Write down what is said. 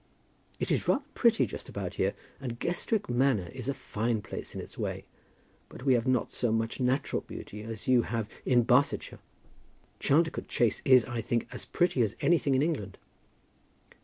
"It is rather pretty just about here, and Guestwick Manor is a fine place in its way, but we have not so much natural beauty as you have in Barsetshire. Chaldicote Chase is, I think, as pretty as anything in England."